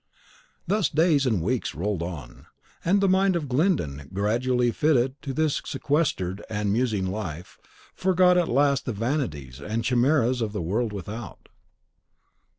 Thus days and weeks rolled on; and the mind of Glyndon, gradually fitted to this sequestered and musing life, forgot at last the vanities and chimeras of the world without.